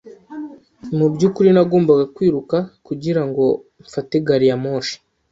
Mu byukuri nagombaga kwiruka kugirango mfate gari ya moshi.